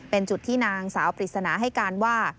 เป็นจุดที่นางสาวปริศนาให้การว่า